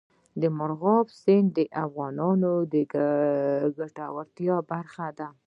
مورغاب سیند د افغانانو د ګټورتیا برخه ده.